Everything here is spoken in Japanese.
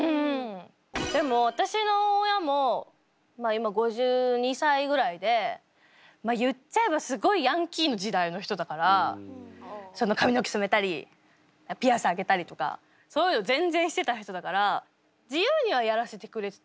でも私の親も今５２歳ぐらいで言っちゃえばすごいヤンキーの時代の人だから髪の毛染めたりピアス開けたりとかそういうの全然してた人だから自由にはやらせてくれてた。